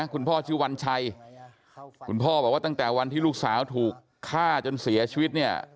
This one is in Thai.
พ่อชื่อวัญชัยคุณพ่อบอกว่าตั้งแต่วันที่ลูกสาวถูกฆ่าจนเสียชีวิตเนี่ย